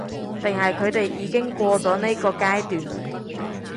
定係佢哋已經過咗呢個階段？